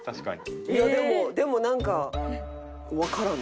いやでもでもなんか。